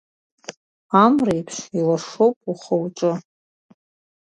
Амреиԥш илашоуп ухы-уҿы!